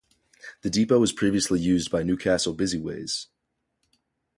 The depot was previously used by Newcastle Busways.